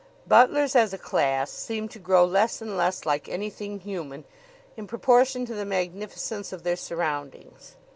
Butlers as a class seem to grow less and less like anything human in proportion to the magnificence of their surroundings.